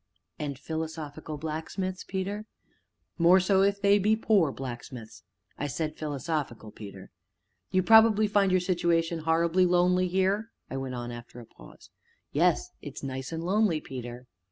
'" "And philosophical blacksmiths, Peter?" "More so if they be poor blacksmiths." "I said 'philosophical,' Peter." "You probably find your situation horribly lonely here?" I went on after a pause. "Yes; it's nice and lonely, Peter."